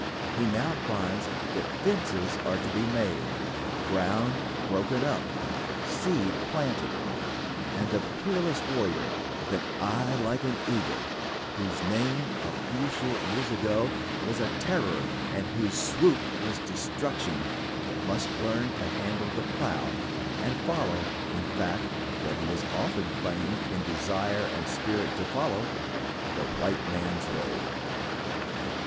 He now finds that fences are to be made, ground broken up, seed planted; and the peerless warrior, with "an eye like an eagle," whose name a few short years ago was a terror and whose swoop was destruction, must learn to handle the plow, and follow, in fact, what he has often claimed in desire and spirit to follow, "the white man's road."